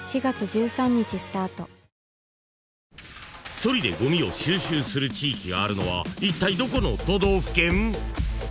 ［ソリでごみを収集する地域があるのはいったいどこの都道府県？］